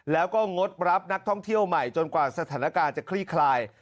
แล้วก็งดรับนักท่องเที่ยวใหม่จนกว่าสถานการณ์จะคลี่คลาย